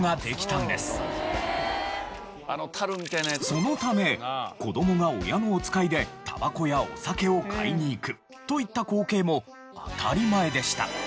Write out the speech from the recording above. そのため子どもが親のお使いでタバコやお酒を買いに行くといった光景も当たり前でした。